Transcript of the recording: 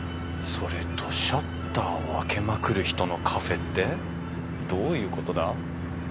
それと「シャッターを開けまくる人のカフェ」ってどういうことだ？